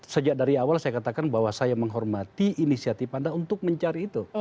sejak dari awal saya katakan bahwa saya menghormati inisiatif anda untuk mencari itu